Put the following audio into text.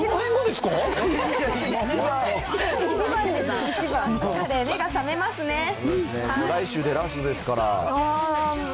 来週でラストですから。